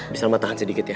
bisa ma tahan sedikit ya